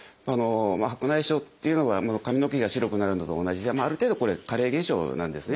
白内障っていうのは髪の毛が白くなるのと同じである程度これ加齢現象なんですね。